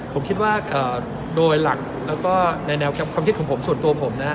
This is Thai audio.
ผมคิดว่าโดยหลักแล้วก็ในแนวความคิดของผมส่วนตัวผมนะฮะ